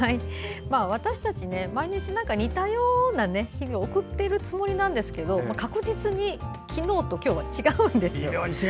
私たち毎日似たような日々を送っているつもりなんですけど確実に昨日と今日は違うんですよ。